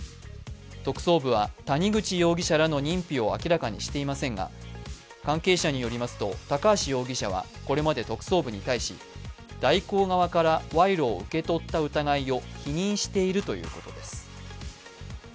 特捜部は谷口容疑者らの認否を明らかにしていませんが関係者によりますと、高橋容疑者はこれまで特捜部に対し大広側から賄賂を受け取った疑いを否認しているということです。